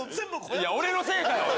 いや、俺のせいかよ！